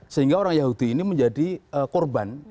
sehingga orang yahudi ini menjadi korban